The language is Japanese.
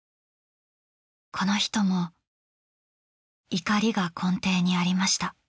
この人も怒りが根底にありました。